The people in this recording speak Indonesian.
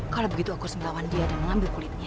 kalau begitu aku harus melawan dia dan mengambil kulitnya